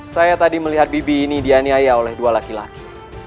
saya tadi melihat bibi ini dianiaya oleh dua laki laki